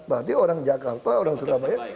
berarti orang jakarta orang surabaya